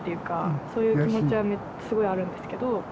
そういう気持ちはすごいあるんですけど。